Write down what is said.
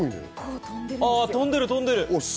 飛んでる飛んでる。